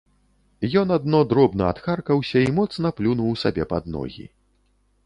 Ён адно дробна адхаркаўся і моцна плюнуў сабе пад ногі.